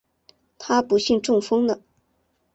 她不幸中风了